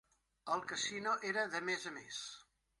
El casino era de més a més.